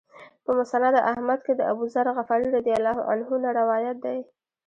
په مسند احمد کې د أبوذر غفاري رضی الله عنه نه روایت دی.